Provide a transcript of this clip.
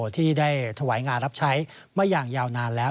ที่ได้ถวายงานรับใช้มาอย่างยาวนานแล้ว